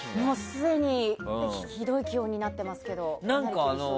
すでにひどい気温になってますけど。